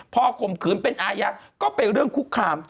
พอกลมขืนเป็นอาญาก็ไปเรื่องคุกคาม